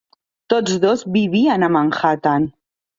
Tots dos vivien a Manhattan.